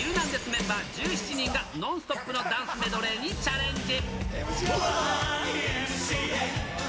メンバー１７人が、ノンストップのダンスメドレーにチャレンジ。